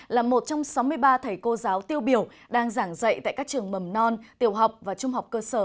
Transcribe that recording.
là một trong sáu mươi ba thầy cô giáo tiêu biểu đang giảng dạy tại các trường mầm non tiểu học và trung học cơ sở